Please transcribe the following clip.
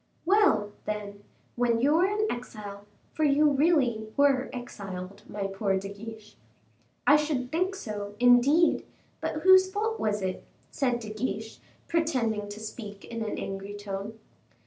"Well, then; when you were in exile for you really were exiled, my poor De Guiche " "I should think so, indeed; but whose fault was it?" said De Guiche, pretending to speak in an angry tone.